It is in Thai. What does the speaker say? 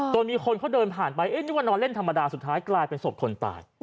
มีคนเขาเดินผ่านไปนึกว่านอนเล่นธรรมดาสุดท้ายกลายเป็นศพคนตาย